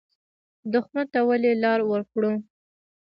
دښمن ته ولې لار ورکړو؟